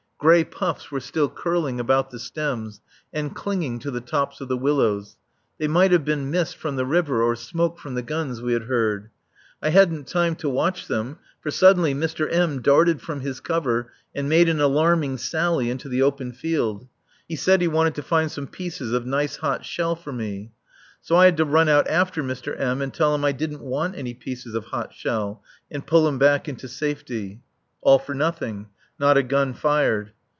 Grey puffs were still curling about the stems and clinging to the tops of the willows. They might have been mist from the river or smoke from the guns we had heard. I hadn't time to watch them, for suddenly Mr. M. darted from his cover and made an alarming sally into the open field. He said he wanted to find some pieces of nice hot shell for me. So I had to run out after Mr. M. and tell him I didn't want any pieces of hot shell, and pull him back into safety. All for nothing. Not a gun fired.